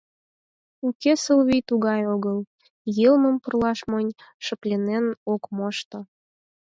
Уке, Сылвий тугай огыл, йылмым пурлаш монь, шыпланен ок мошто.